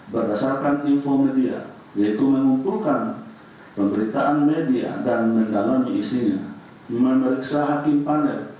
berdasarkan info media yaitu mengumpulkan pemberitaan media dan mendalami isinya looks values